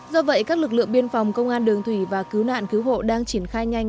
do vậy các lực lượng biên phòng công an đường thủy và cứu nạn cứu hộ đang triển khai nhanh